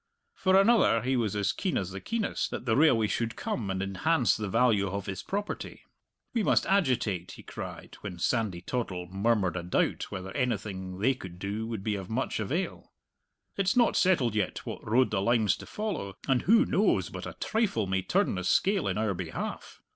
for another, he was as keen as the keenest that the railway should come and enhance the value of his property. "We must agitate," he cried, when Sandy Toddle murmured a doubt whether anything they could do would be of much avail. "It's not settled yet what road the line's to follow, and who knows but a trifle may turn the scale in our behalf?